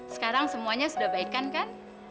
sekarang semuanya sudah baik kan